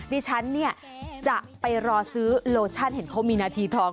ดิฉันเนี่ยจะไปรอซื้อโลชั่นเห็นเขามีนาทีทอง